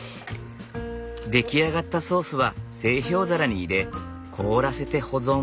出来上がったソースは製氷皿に入れ凍らせて保存。